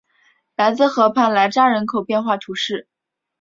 莱兹河畔莱扎人口变化图示